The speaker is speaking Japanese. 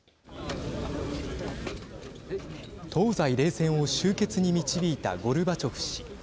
東西冷戦を終結に導いたゴルバチョフ氏。